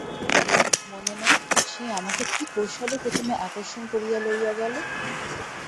মনে নাই, সে আমাকে কি কৌশলে প্রথমে আকর্ষণ করিয়া লইয়া গেল।